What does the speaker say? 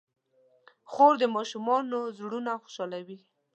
خور د ماشومانو زړونه خوشحالوي.